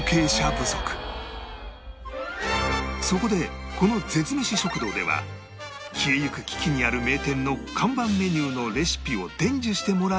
そこでこの絶メシ食堂では消えゆく危機にある名店の看板メニューのレシピを伝授してもらい再現